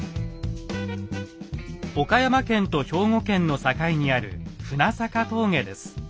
岡山県と兵庫県の境にある船坂峠です。